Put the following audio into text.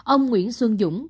ông nguyễn xuân dũng